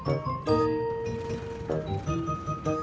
anterin amel pulang yuk